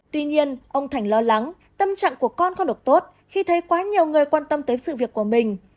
tuy nhiên ông thành lo lắng tâm trạng của con không được tốt khi thấy quá nhiều người quan tâm tới sự việc của mình